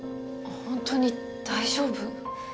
本当に大丈夫？